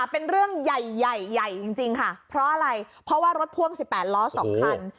เป็นเรื่องใหญ่ใหญ่ใหญ่จริงจริงค่ะเพราะอะไรเพราะว่ารถพ่วงสิบแปดล้อสองคัน